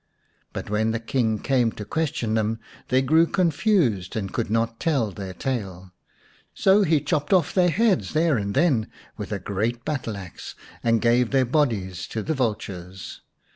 But when the King came to question them they grew confused, and could not tell their tale. So he chopped off their heads there and then with a great battle axe, and gave their bodies to the vultures.